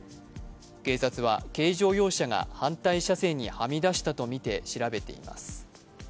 警察は軽乗用車が反対車線にはみ出したとみて調べています。